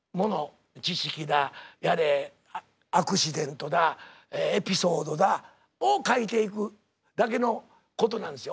知識だやれアクシデントだエピソードだを書いていくだけのことなんですよ。